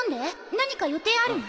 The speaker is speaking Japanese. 何か予定あるの？